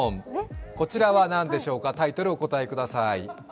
こちらは何でしょうか、タイトルをお答えください。